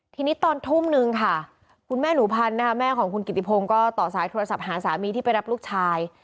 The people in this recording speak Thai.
ทีนี้ตอนทุ่มนึงค่ะคุณแม่หนูพันธ์นะคะแม่ของคุณกิติพงศ์ก็ต่อสายโทรศัพท์หาสามีที่ไปรับลูกชาย